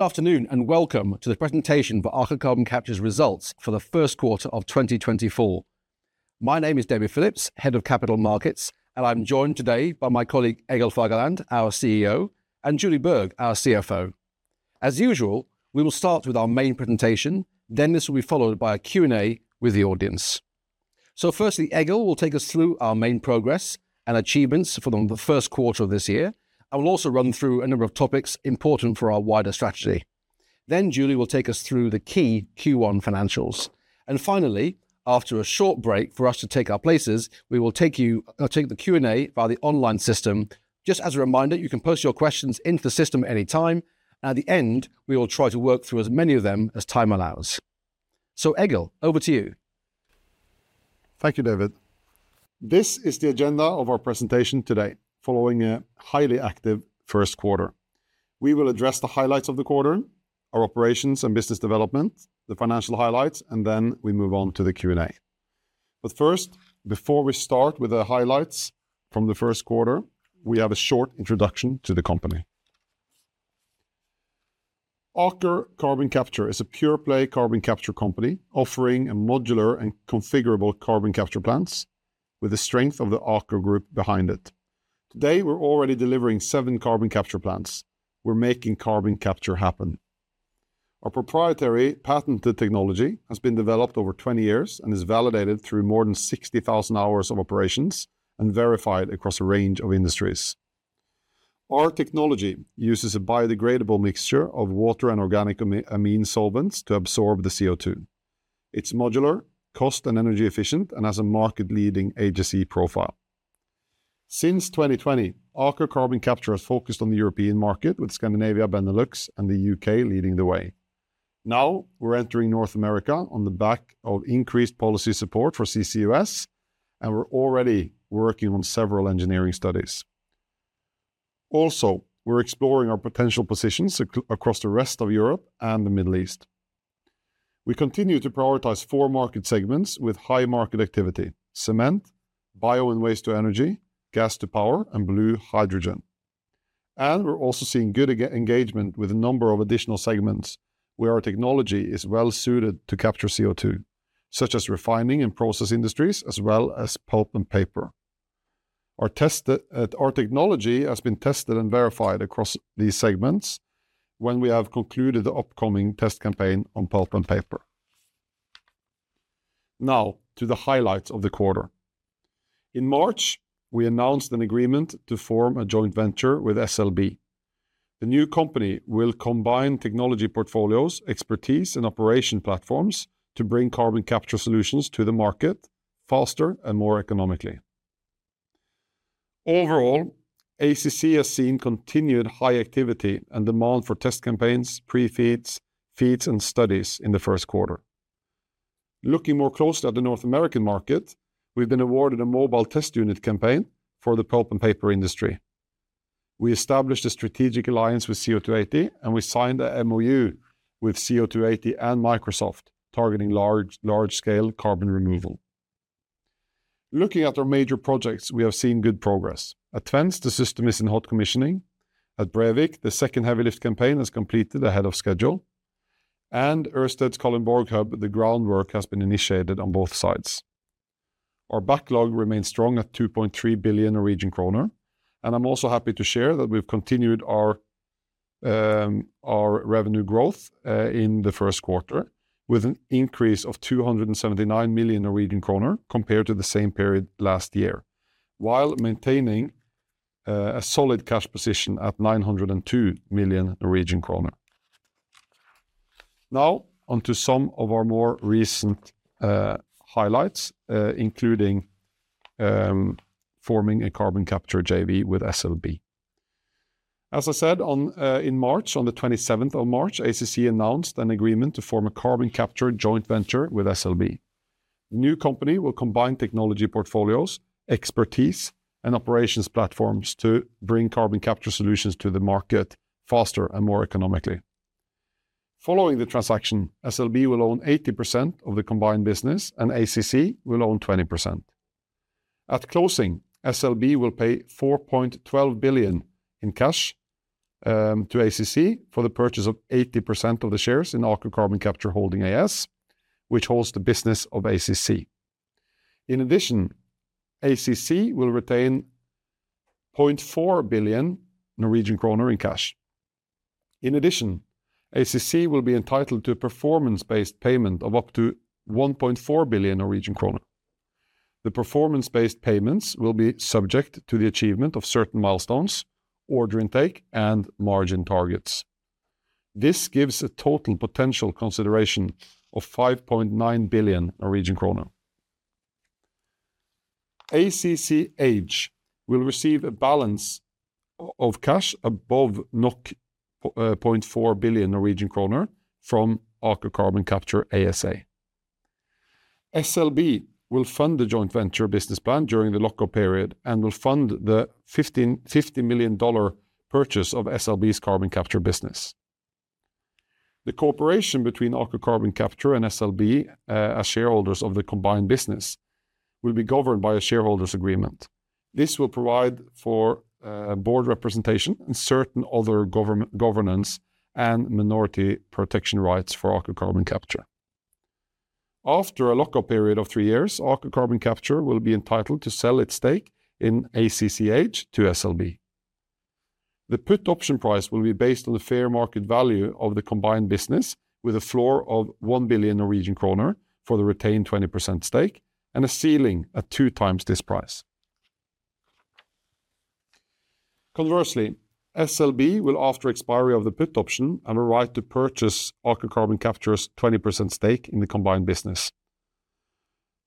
Good afternoon, and welcome to the presentation for Aker Carbon Capture's results for the first quarter of 2024. My name is David Phillips, Head of Capital Markets, and I'm joined today by my colleague, Egil Fagerland, our CEO, and Julie Berg, our CFO. As usual, we will start with our main presentation, then this will be followed by a Q&A with the audience. So firstly, Egil will take us through our main progress and achievements for the first quarter of this year, and will also run through a number of topics important for our wider strategy. Then Julie will take us through the key Q1 financials, and finally, after a short break for us to take our places, we will take the Q&A via the online system. Just as a reminder, you can post your questions into the system at any time, and at the end, we will try to work through as many of them as time allows. So Egil, over to you. Thank you, David. This is the agenda of our presentation today, following a highly active first quarter. We will address the highlights of the quarter, our operations and business development, the financial highlights, and then we move on to the Q&A. But first, before we start with the highlights from the first quarter, we have a short introduction to the company. Aker Carbon Capture is a pure play carbon capture company, offering a modular and configurable carbon capture plants, with the strength of the Aker Group behind it. Today, we're already delivering seven carbon capture plants. We're making carbon capture happen. Our proprietary patented technology has been developed over 20 years and is validated through more than 60,000 hours of operations, and verified across a range of industries. Our technology uses a biodegradable mixture of water and organic amine solvents to absorb the CO2. It's modular, cost and energy efficient, and has a market-leading HSE profile. Since 2020, Aker Carbon Capture has focused on the European market, with Scandinavia, Benelux, and the U.K. leading the way. Now, we're entering North America on the back of increased policy support for CCUS, and we're already working on several engineering studies. Also, we're exploring our potential positions across the rest of Europe and the Middle East. We continue to prioritize four market segments with high market activity: cement, bio and waste-to-energy, gas-to-power, and blue hydrogen. And we're also seeing good engagement with a number of additional segments, where our technology is well-suited to capture CO2, such as refining and process industries, as well as pulp and paper. Our technology has been tested and verified across these segments when we have concluded the upcoming test campaign on pulp and paper. Now, to the highlights of the quarter. In March, we announced an agreement to form a joint venture with SLB. The new company will combine technology portfolios, expertise, and operation platforms to bring carbon capture solutions to the market faster and more economically. Overall, ACC has seen continued high activity and demand for test campaigns, pre-FEEDs, FEEDs, and studies in the first quarter. Looking more closely at the North American market, we've been awarded a mobile test unit campaign for the pulp and paper industry. We established a strategic alliance with CO280, and we signed a MoU with CO280 and Microsoft, targeting large, large-scale carbon removal. Looking at our major projects, we have seen good progress. At Twence, the system is in hot commissioning. At Brevik, the second heavy lift campaign is completed ahead of schedule. And Ørsted's Kalundborg hub, the groundwork has been initiated on both sides. Our backlog remains strong at 2.3 billion Norwegian kroner, and I'm also happy to share that we've continued our revenue growth in the first quarter, with an increase of 279 million Norwegian kroner, compared to the same period last year, while maintaining a solid cash position at 902 million Norwegian kroner. Now, onto some of our more recent highlights, including forming a carbon capture JV with SLB. As I said, in March, on the 27th of March, ACC announced an agreement to form a carbon capture joint venture with SLB. The new company will combine technology portfolios, expertise, and operations platforms to bring carbon capture solutions to the market faster and more economically. Following the transaction, SLB will own 80% of the combined business, and ACC will own 20%. At closing, SLB will pay 4.12 billion in cash to ACC for the purchase of 80% of the shares in Aker Carbon Capture Holding AS, which holds the business of ACC. In addition, ACC will retain 0.4 billion Norwegian kroner in cash. In addition, ACC will be entitled to a performance-based payment of up to 1.4 billion Norwegian kroner. The performance-based payments will be subject to the achievement of certain milestones, order intake, and margin targets. This gives a total potential consideration of 5.9 billion Norwegian kroner. ACCH will receive a balance of cash above 0.4 billion Norwegian kroner from Aker Carbon Capture ASA. SLB will fund the joint venture business plan during the lock-up period, and will fund the $15 million-$50 million purchase of SLB's carbon capture business. The cooperation between Aker Carbon Capture and SLB as shareholders of the combined business-... will be governed by a shareholders agreement. This will provide for board representation and certain other governance and minority protection rights for Aker Carbon Capture. After a lock-up period of three years, Aker Carbon Capture will be entitled to sell its stake in ACCH to SLB. The put option price will be based on the fair market value of the combined business, with a floor of 1 billion Norwegian kroner for the retained 20% stake and a ceiling at 2x this price. Conversely, SLB will, after expiry of the put option, have a right to purchase Aker Carbon Capture's 20% stake in the combined business.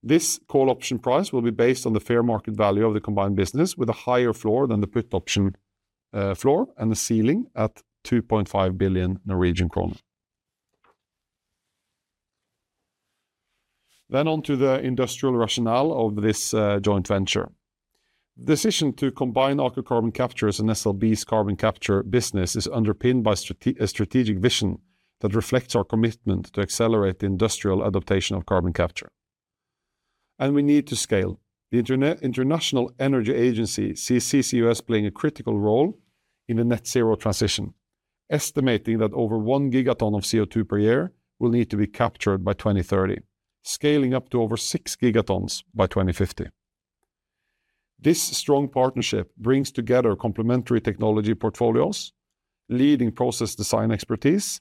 This call option price will be based on the fair market value of the combined business, with a higher floor than the put option floor, and a ceiling at 2.5 billion Norwegian kroner. Then on to the industrial rationale of this joint venture. The decision to combine Aker Carbon Capture's and SLB's carbon capture business is underpinned by a strategic vision that reflects our commitment to accelerate the industrial adaptation of carbon capture, and we need to scale. The International Energy Agency sees CCUS playing a critical role in the net zero transition, estimating that over 1 gigaton of CO2 per year will need to be captured by 2030, scaling up to over 6 gigatons by 2050. This strong partnership brings together complementary technology portfolios, leading process design expertise,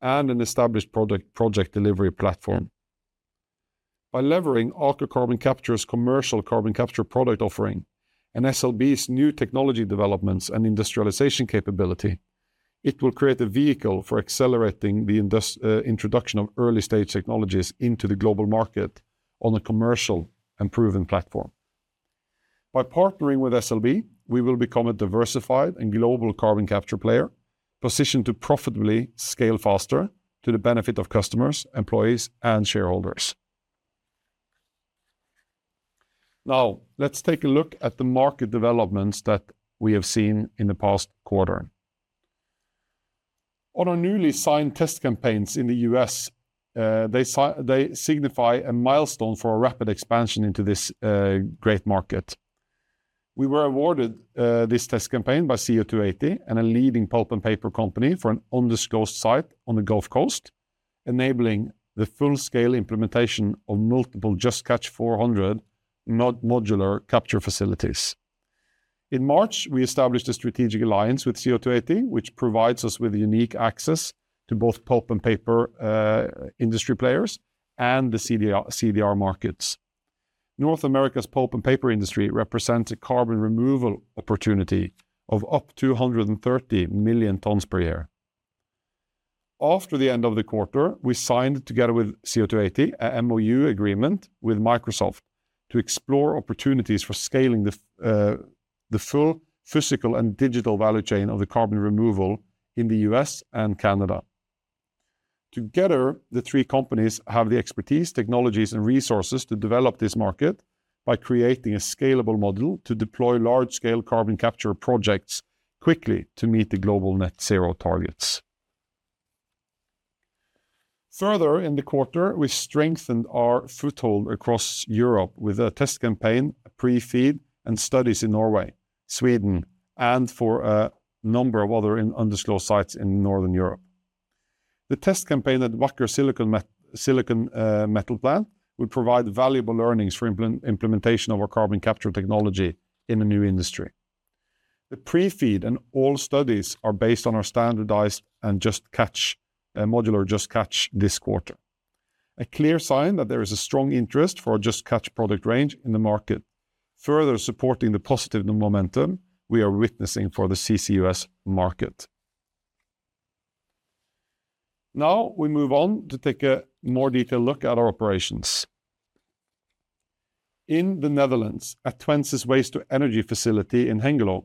and an established product, project delivery platform. By leveraging Aker Carbon Capture's commercial carbon capture product offering and SLB's new technology developments and industrialization capability, it will create a vehicle for accelerating the introduction of early-stage technologies into the global market on a commercial and proven platform. By partnering with SLB, we will become a diversified and global carbon capture player, positioned to profitably scale faster to the benefit of customers, employees, and shareholders. Now, let's take a look at the market developments that we have seen in the past quarter. On our newly signed test campaigns in the U.S., they signify a milestone for a rapid expansion into this great market. We were awarded this test campaign by CO280 and a leading pulp and paper company for an undisclosed site on the Gulf Coast, enabling the full-scale implementation of multiple Just Catch 400 modular capture facilities. In March, we established a strategic alliance with CO280, which provides us with unique access to both pulp and paper industry players and the CDR markets. North America's pulp and paper industry represents a carbon removal opportunity of up to 130 million tons per year. After the end of the quarter, we signed, together with CO280, a MoU agreement with Microsoft to explore opportunities for scaling the full physical and digital value chain of the carbon removal in the U.S. and Canada. Together, the three companies have the expertise, technologies, and resources to develop this market by creating a scalable model to deploy large-scale carbon capture projects quickly to meet the global net zero targets. Further in the quarter, we strengthened our foothold across Europe with a test campaign, a pre-FEED, and studies in Norway, Sweden, and for a number of other undisclosed sites in Northern Europe. The test campaign at Wacker Silicon Metal plant would provide valuable learnings for implementation of our carbon capture technology in the new industry. The pre-FEED and all studies are based on our standardized and Just Catch modular, Just Catch this quarter, a clear sign that there is a strong interest for our Just Catch product range in the market, further supporting the positive momentum we are witnessing for the CCUS market. Now we move on to take a more detailed look at our operations. In the Netherlands, at Twence's waste-to-energy facility in Hengelo,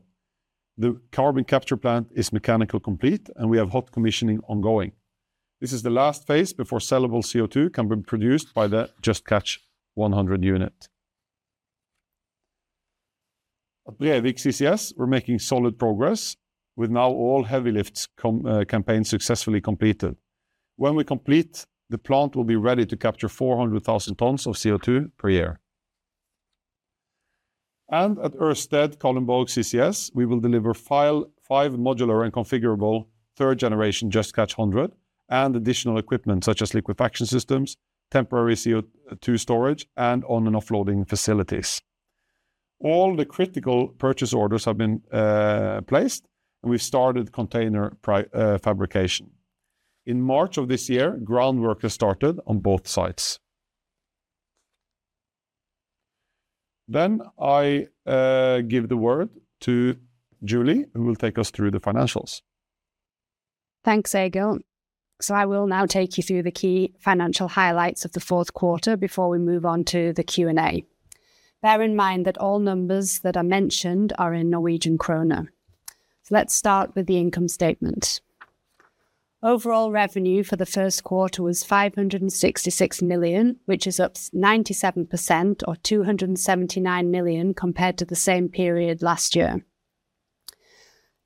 the carbon capture plant is mechanical complete, and we have hot commissioning ongoing. This is the last phase before sellable CO2 can be produced by the Just Catch 100 unit. At Brevik CCS, we're making solid progress, with now all heavy lifts campaign successfully completed. When we complete, the plant will be ready to capture 400,000 tons of CO2 per year. At Ørsted Kalundborg CCS, we will deliver five modular and configurable third-generation Just Catch 400 and additional equipment, such as liquefaction systems, temporary CO2 storage, and on-and-offloading facilities. All the critical purchase orders have been placed, and we've started container fabrication. In March of this year, groundwork has started on both sites. I give the word to Julie, who will take us through the financials. Thanks, Egil. So I will now take you through the key financial highlights of the fourth quarter before we move on to the Q&A. Bear in mind that all numbers that are mentioned are in Norwegian kroner. So let's start with the income statement. Overall revenue for the first quarter was 566 million, which is up 97% or 279 million compared to the same period last year.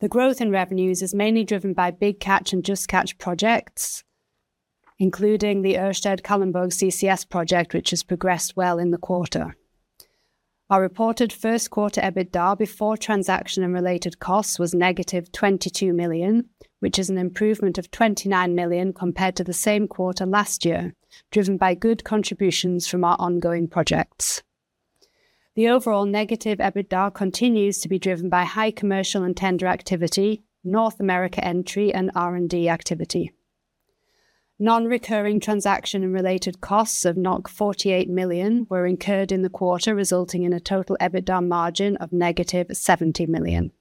The growth in revenues is mainly driven by Big Catch and Just Catch projects, including the Ørsted Kalundborg CCS project, which has progressed well in the quarter. Our reported first quarter EBITDA before transaction and related costs was -22 million, which is an improvement of 29 million compared to the same quarter last year, driven by good contributions from our ongoing projects. The overall negative EBITDA continues to be driven by high commercial and tender activity, North America entry, and R&D activity. Non-recurring transaction and related costs of 48 million were incurred in the quarter, resulting in a total EBITDA margin of negative 70 million.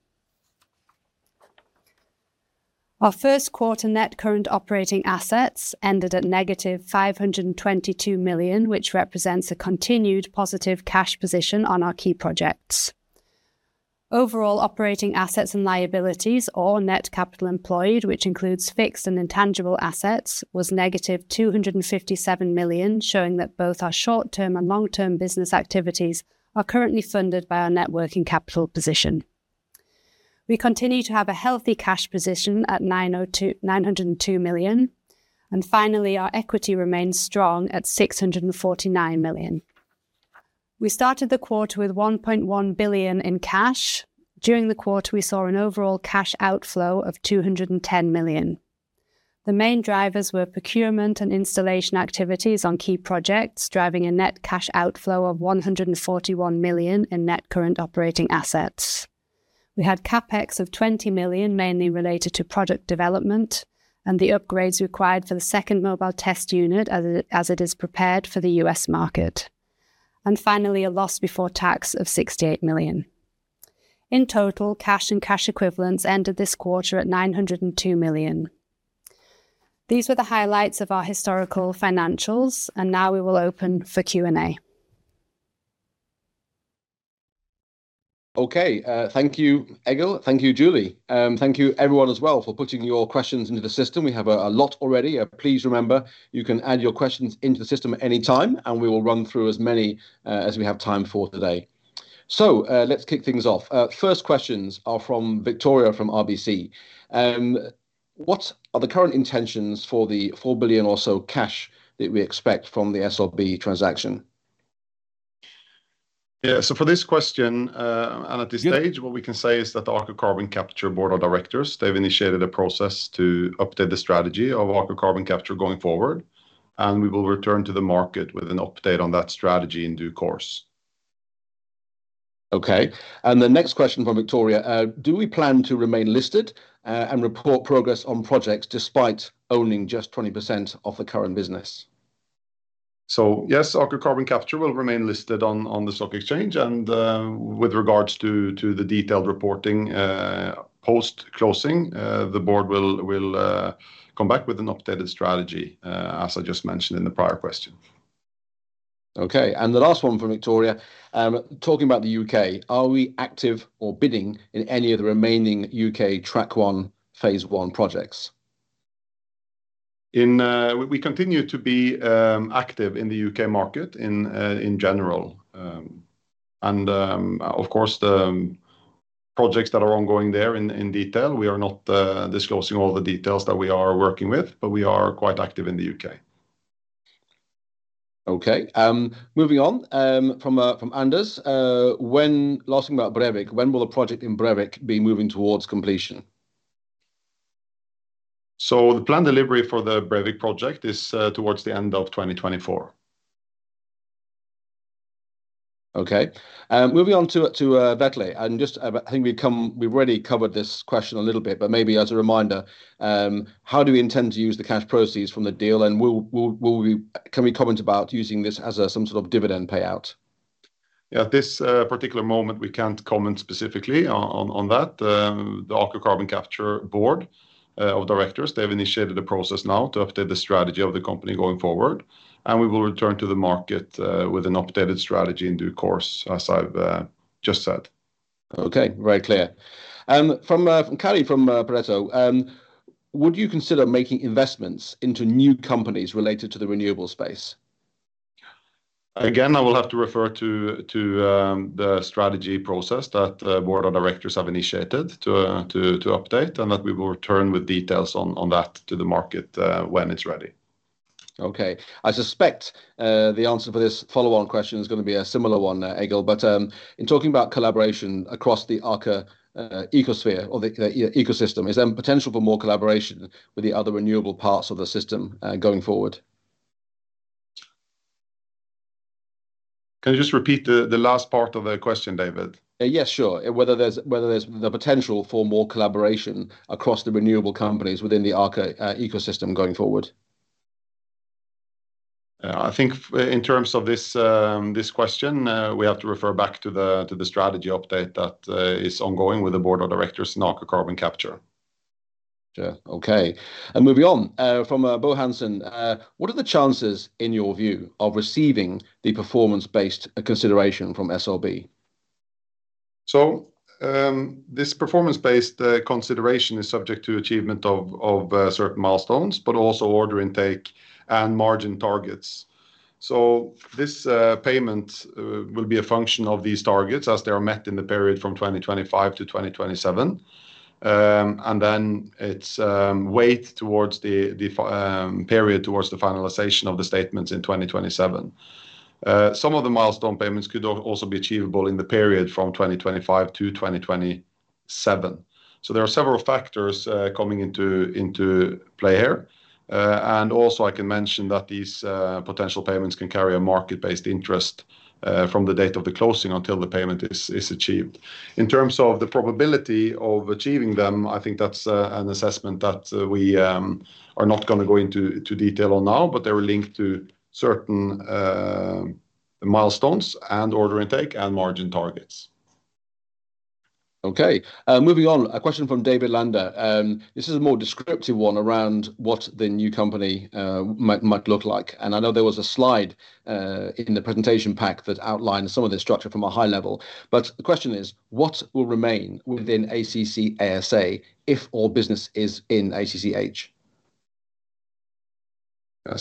Our first quarter net current operating assets ended at -522 million, which represents a continued positive cash position on our key projects. Overall, operating assets and liabilities, or net capital employed, which includes fixed and intangible assets, was -257 million, showing that both our short-term and long-term business activities are currently funded by our net working capital position. We continue to have a healthy cash position at 902 million, and finally, our equity remains strong at 649 million. We started the quarter with 1.1 billion in cash. During the quarter, we saw an overall cash outflow of 210 million. The main drivers were procurement and installation activities on key projects, driving a net cash outflow of 141 million in net current operating assets. We had CapEx of 20 million, mainly related to product development and the upgrades required for the second mobile test unit as it, as it is prepared for the U.S. market. And finally, a loss before tax of 68 million. In total, cash and cash equivalents ended this quarter at 902 million. These were the highlights of our historical financials, and now we will open for Q&A. Okay, thank you, Egil. Thank you, Julie. Thank you everyone as well for putting your questions into the system. We have a lot already. Please remember, you can add your questions into the system at any time, and we will run through as many as we have time for today. Let's kick things off. First questions are from Victoria, from RBC. What are the current intentions for the 4 billion or so cash that we expect from the SLB transaction? Yeah, so for this question, and at this stage- Yeah... what we can say is that the Aker Carbon Capture board of directors, they've initiated a process to update the strategy of Aker Carbon Capture going forward, and we will return to the market with an update on that strategy in due course. Okay, and the next question from Victoria: "Do we plan to remain listed, and report progress on projects despite owning just 20% of the current business? So, yes, Aker Carbon Capture will remain listed on the stock exchange, and with regards to the detailed reporting, the board will come back with an updated strategy, as I just mentioned in the prior question. Okay, and the last one from Victoria. Talking about the U.K., are we active or bidding in any of the remaining U.K. Track 1, Phase 1 projects? We continue to be active in the U.K. market in general. And, of course, the projects that are ongoing there in detail, we are not disclosing all the details that we are working with, but we are quite active in the U.K. Okay, moving on from Anders. Last thing about Brevik, when will the project in Brevik be moving towards completion? The planned delivery for the Brevik project is towards the end of 2024. Okay, moving on to [Vetle]. And just, I think we've already covered this question a little bit, but maybe as a reminder, how do we intend to use the cash proceeds from the deal, and can we comment about using this as some sort of dividend payout? Yeah, at this particular moment, we can't comment specifically on that. The Aker Carbon Capture board of directors, they have initiated a process now to update the strategy of the company going forward, and we will return to the market with an updated strategy in due course, as I've just said. Okay, very clear. And from Kari, from Pareto, would you consider making investments into new companies related to the renewable space? Again, I will have to refer to the strategy process that the board of directors have initiated to update, and that we will return with details on that to the market when it's ready. Okay. I suspect, the answer for this follow-on question is gonna be a similar one, Egil, but, in talking about collaboration across the Aker, ecosphere or the ecosystem, is there potential for more collaboration with the other renewable parts of the system, going forward? Can you just repeat the last part of the question, David? Yes, sure. Whether there's the potential for more collaboration across the renewable companies within the Aker ecosystem going forward. I think in terms of this question, we have to refer back to the strategy update that is ongoing with the board of directors and Aker Carbon Capture. Sure. Okay, and moving on, from Bo Hansen, "What are the chances, in your view, of receiving the performance-based consideration from SLB? So, this performance-based consideration is subject to achievement of certain milestones, but also order intake and margin targets. So this payment will be a function of these targets as they are met in the period from 2025 to 2027. And then it's weighed towards the period towards the finalization of the statements in 2027. Some of the milestone payments could also be achievable in the period from 2025 to 2027. So there are several factors coming into play here. And also I can mention that these potential payments can carry a market-based interest from the date of the closing until the payment is achieved. In terms of the probability of achieving them, I think that's an assessment that we are not gonna go into detail on now, but they are linked to certain milestones, and order intake, and margin targets. Okay. Moving on, a question from David [Lander]. This is a more descriptive one around what the new company might look like. And I know there was a slide in the presentation pack that outlined some of the structure from a high level. But the question is: What will remain within ACC ASA if all business is in ACCH? Yeah,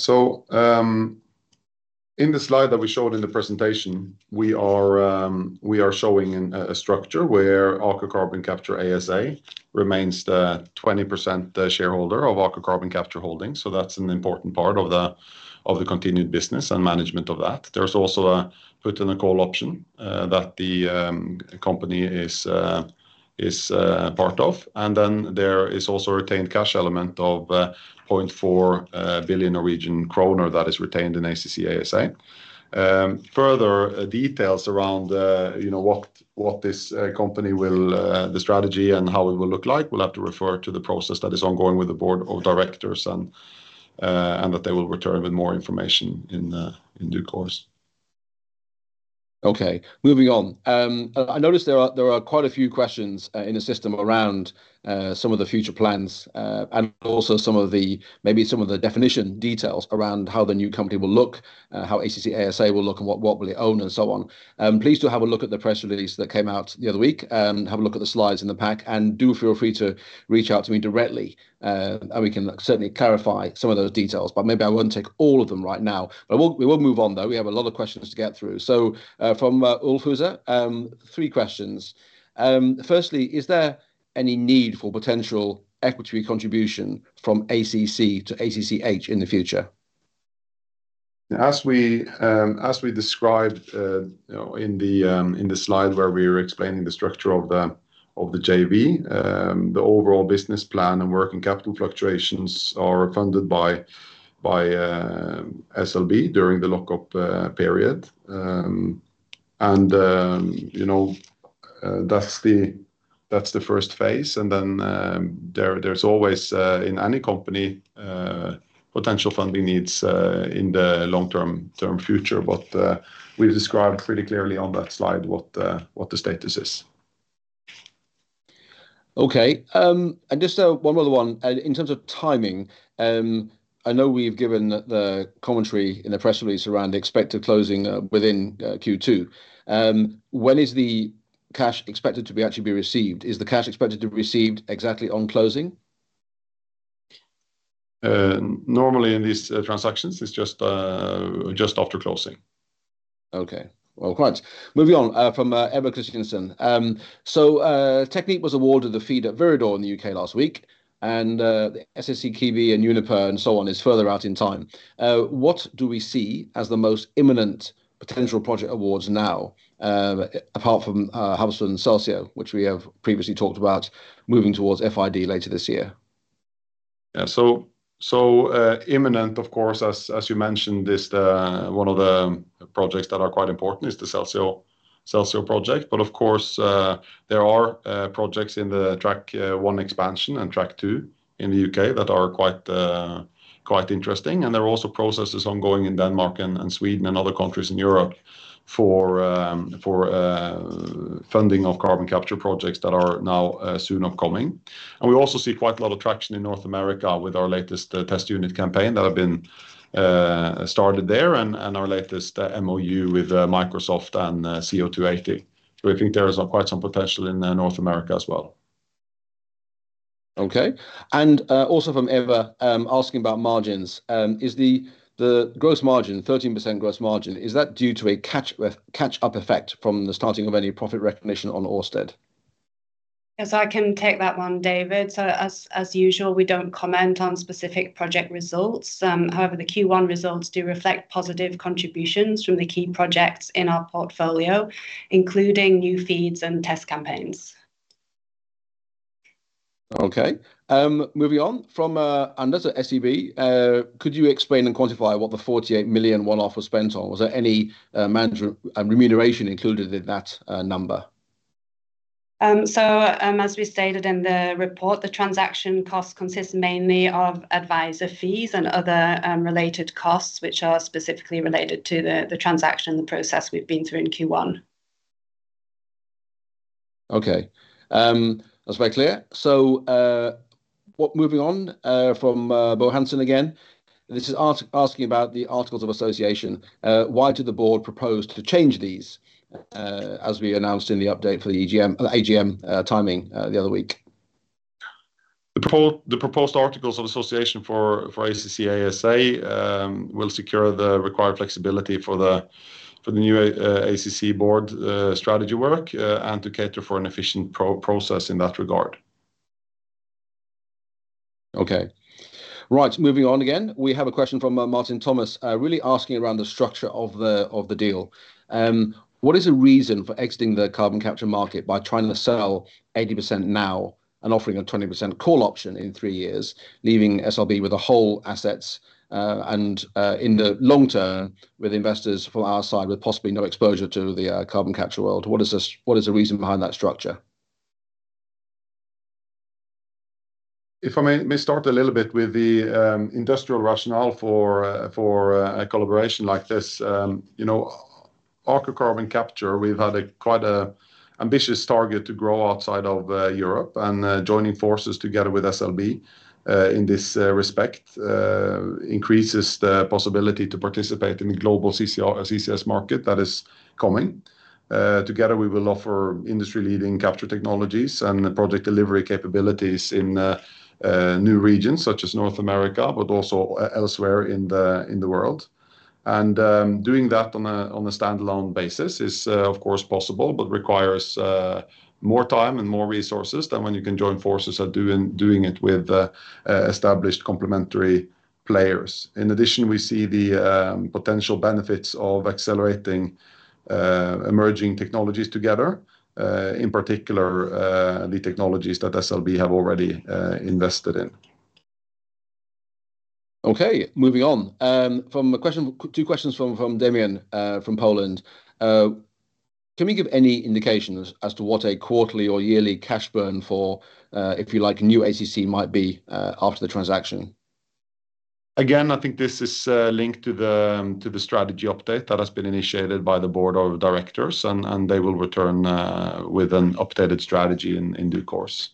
so, in the slide that we showed in the presentation, we are showing a structure where Aker Carbon Capture ASA remains the 20% shareholder of Aker Carbon Capture Holdings, so that's an important part of the continued business and management of that. There's also a put and a call option that the company is part of, and then there is also a retained cash element of 0.4 billion Norwegian kroner that is retained in ACC ASA. Further details around, you know, what this company will, the strategy and how it will look like, we'll have to refer to the process that is ongoing with the board of directors, and that they will return with more information in due course. Okay, moving on. I noticed there are, there are quite a few questions in the system around some of the future plans, and also some of the... maybe some of the definition details around how the new company will look, how ACC ASA will look, and what, what will it own, and so on. Please do have a look at the press release that came out the other week. Have a look at the slides in the pack, and do feel free to reach out to me directly, and we can certainly clarify some of those details, but maybe I won't take all of them right now. But we'll, we will move on, though. We have a lot of questions to get through. So, from [Ulphusa], three questions. Firstly, is there any need for potential equity contribution from ACC to ACCH in the future? As we described, you know, in the slide where we were explaining the structure of the JV, the overall business plan and working capital fluctuations are funded by SLB during the lock-up period. And you know, that's the first phase, and then, there's always, in any company, potential funding needs in the long-term future. But we've described pretty clearly on that slide what the status is. Okay. And just one other one. In terms of timing, I know we've given the commentary in the press release around the expected closing within Q2. When is the cash expected to be actually received? Is the cash expected to be received exactly on closing? Normally in these transactions, it's just after closing. Okay, well, great. Moving on, from Eva Christensen. So, Technip Energies was awarded the FEED at Viridor in the U.K. last week, and SSE Keadby and Uniper, and so on, is further out in time. What do we see as the most imminent potential project awards now, apart from Hafslund Celsio, which we have previously talked about moving towards FID later this year? Yeah, so imminent, of course, as you mentioned, is the one of the projects that are quite important is the Celsio project. But of course, there are projects in the Track 1 expansion and Track 2 in the U.K. that are quite interesting, and there are also processes ongoing in Denmark, and Sweden, and other countries in Europe, for funding of carbon capture projects that are now soon upcoming. And we also see quite a lot of traction in North America with our latest test unit campaign that have been started there, and our latest MoU with Microsoft and CO280. So I think there is quite some potential in North America as well. Okay, also from Eva, asking about margins. Is the gross margin, 13% gross margin, due to a catch-up effect from the starting of any profit recognition on Ørsted? Yes, I can take that one, David. So, as usual, we don't comment on specific project results. However, the Q1 results do reflect positive contributions from the key projects in our portfolio, including new feeds and test campaigns. Okay, moving on from Anders at SEB. Could you explain and quantify what the 48 million one-off was spent on? Was there any management remuneration included in that number? So, as we stated in the report, the transaction cost consists mainly of advisor fees and other related costs, which are specifically related to the, the transaction, the process we've been through in Q1. Okay, that's very clear. What, moving on, from Bo Hansen again, this is asking about the articles of association. Why do the board propose to change these, as we announced in the update for the AGM timing, the other week? The proposed articles of association for ACC ASA will secure the required flexibility for the new ACC board strategy work and to cater for an efficient process in that regard. Okay. Right, moving on again, we have a question from Martin Thomas, really asking around the structure of the deal. What is the reason for exiting the carbon capture market by trying to sell 80% now and offering a 20% call option in three years, leaving SLB with the whole assets, and in the long term, with investors from our side, with possibly no exposure to the carbon capture world? What is this, what is the reason behind that structure? If I may start a little bit with the industrial rationale for a collaboration like this. You know, our carbon capture, we've had quite an ambitious target to grow outside of Europe, and joining forces together with SLB in this respect increases the possibility to participate in the global CCUS. market that is coming. Together, we will offer industry-leading capture technologies and the project delivery capabilities in new regions such as North America, but also elsewhere in the world. Doing that on a standalone basis is, of course, possible, but requires more time and more resources than when you can join forces and doing it with established complementary players. In addition, we see the potential benefits of accelerating emerging technologies together, in particular, the technologies that SLB have already invested in. Okay, moving on. Two questions from Damian from Poland. Can we give any indications as to what a quarterly or yearly cash burn for, if you like, new ACC might be after the transaction? Again, I think this is linked to the strategy update that has been initiated by the board of directors, and they will return with an updated strategy in due course.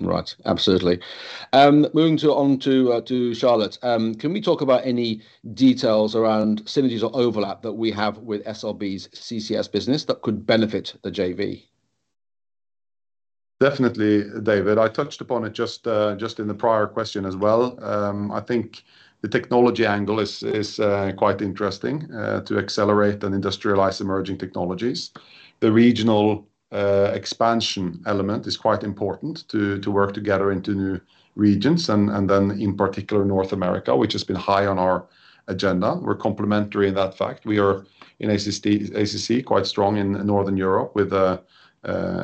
Right. Absolutely. Moving on to Charlotte. Can we talk about any details around synergies or overlap that we have with SLB's CCS business that could benefit the JV? Definitely, David. I touched upon it just, just in the prior question as well. I think the technology angle is quite interesting to accelerate and industrialize emerging technologies. The regional expansion element is quite important to work together into new regions, and then in particular, North America, which has been high on our agenda. We're complementary in that fact. We are, in ACC, quite strong in Northern Europe, with an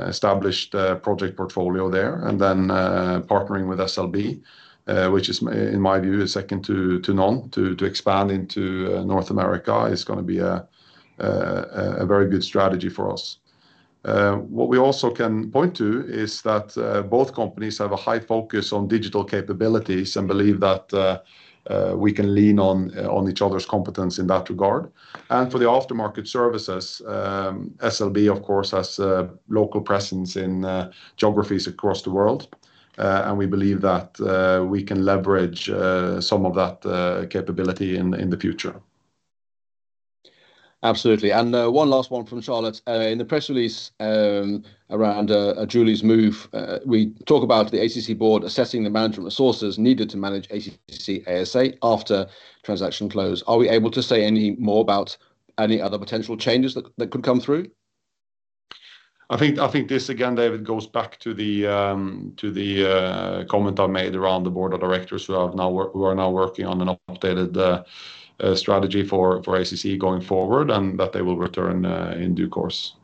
established project portfolio there, and then partnering with SLB, which is, in my view, second to none. To expand into North America is gonna be a very good strategy for us. What we also can point to is that both companies have a high focus on digital capabilities and believe that we can lean on on each other's competence in that regard. And for the aftermarket services, SLB, of course, has a local presence in geographies across the world, and we believe that we can leverage some of that capability in in the future. Absolutely. And, one last one from Charlotte. In the press release, around Julie's move, we talk about the ACC board assessing the management resources needed to manage ACC ASA after transaction close. Are we able to say any more about any other potential changes that, that could come through? I think, I think this, again, David, goes back to the comment I made around the board of directors who are now working on an updated strategy for ACC going forward, and that they will return in due course.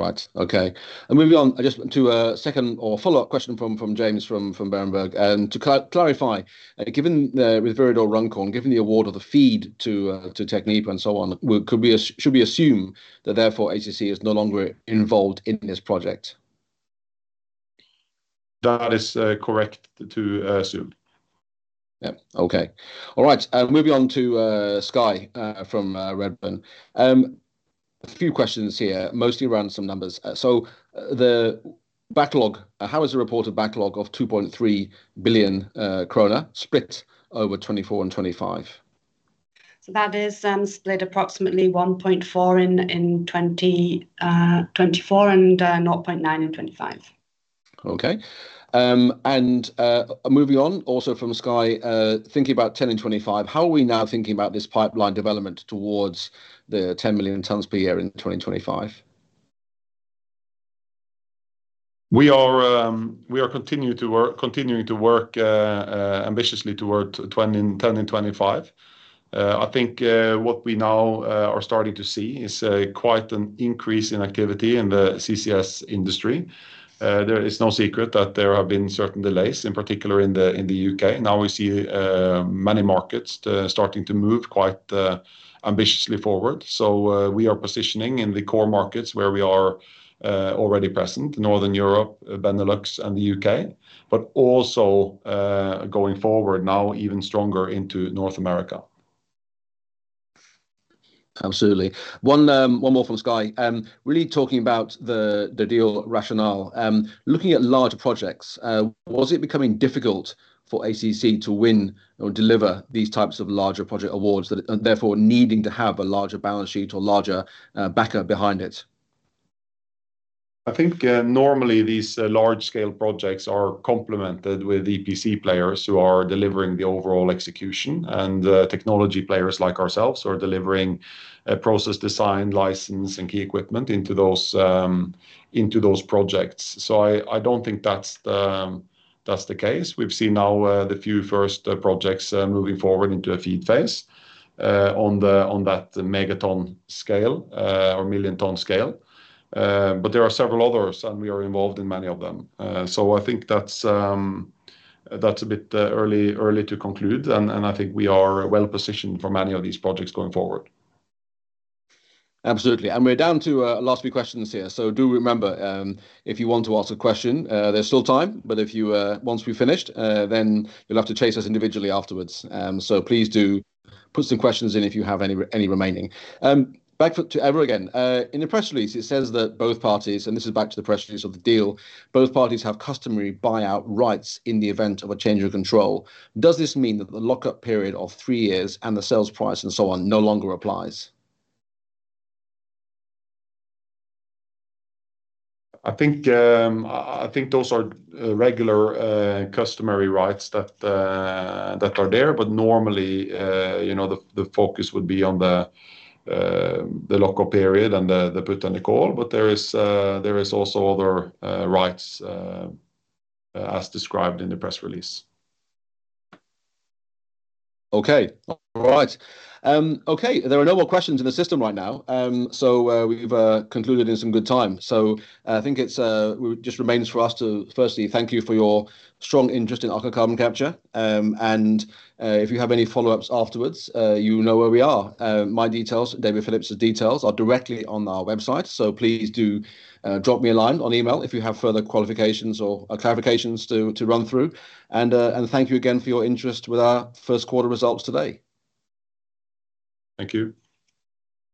Right. Okay, and moving on just to a second or follow-up question from James from Berenberg. To clarify, given the with Viridor Runcorn, given the award of the FEED to Technip and so on, should we assume that therefore ACC is no longer involved in this project? That is correct to assume. Yep, okay. All right, moving on to Skye from Redburn. A few questions here, mostly around some numbers. So the backlog. How is the reported backlog of 2.3 billion krone split over 2024 and 2025? That is split approximately 1.4 in 2024 and 0.9 in 2025. Okay, moving on, also from Skye, thinking about 10 and 25, how are we now thinking about this pipeline development towards the 10 million tons per year in 2025? We are continuing to work ambitiously toward 10 and 25. I think what we now are starting to see is quite an increase in activity in the CCS industry. There is no secret that there have been certain delays, in particular in the U.K. Now we see many markets starting to move quite ambitiously forward. So we are positioning in the core markets where we are already present, Northern Europe, Benelux, and the U.K., but also going forward now even stronger into North America. Absolutely. One more from Skye. Really talking about the, the deal rationale. Looking at large projects, was it becoming difficult for ACC to win or deliver these types of larger project awards that, and therefore, needing to have a larger balance sheet or larger backup behind it? I think, normally these large-scale projects are complemented with EPC players who are delivering the overall execution, and technology players like ourselves are delivering a process design, license, and key equipment into those projects. So I don't think that's the case. We've seen now the few first projects moving forward into a FEED phase on that megaton scale or million-ton scale. But there are several others, and we are involved in many of them. So I think that's a bit early to conclude, and I think we are well-positioned for many of these projects going forward. Absolutely, and we're down to last few questions here. So do remember, if you want to ask a question, there's still time, but if you... Once we've finished, then you'll have to chase us individually afterwards. So please do put some questions in if you have any any remaining. Back to Eva again. In the press release, it says that both parties, and this is back to the press release of the deal, both parties have customary buyout rights in the event of a change of control. Does this mean that the lock-up period of three years and the sales price and so on no longer applies? I think those are regular, customary rights that are there, but normally, you know, the focus would be on the lock-up period and the put and the call. But there is also other rights as described in the press release. Okay. All right. Okay, there are no more questions in the system right now, so we've concluded in some good time. So, I think it just remains for us to firstly thank you for your strong interest in Aker Carbon Capture. And, if you have any follow-ups afterwards, you know where we are. My details, David Phillips's details are directly on our website, so please do drop me a line on email if you have further qualifications or clarifications to run through. And thank you again for your interest with our first quarter results today. Thank you.